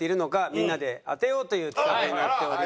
みんなで当てようという企画になっております。